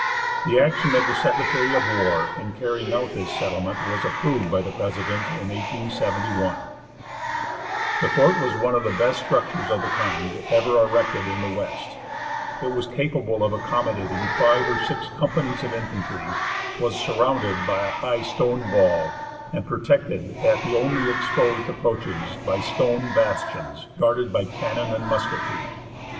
The action of the secretary of war in carrying out this settlement was approved by the president in 1871. The fort was one of the best structures of the kind ever erected in the West. It was capable of accommodating five or six companies of infantry, was surrounded by a high stone wall, and protected at the only exposed approaches by stone bastions guarded by cannon and musketry.